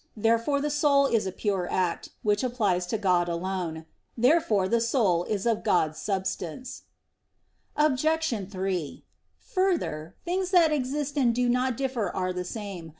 Therefore the soul is a pure act; which applies to God alone. Therefore the soul is of God's substance. Obj. 3: Further, things that exist and do [not] differ are the same.